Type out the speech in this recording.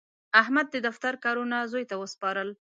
احمد د دفتر کارونه زوی ته وسپارل.